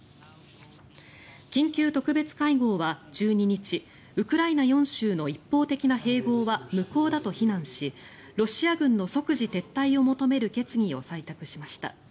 緊急特別会合は１２日ウクライナ４州の一方的な併合は無効だと非難しロシア軍の即時撤退を求める決議を採択しました。